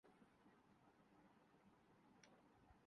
نہ P P P میں۔